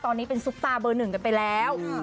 ตอนนี้เป็นซุปตาเบอร์หนึ่งกันไปแล้ว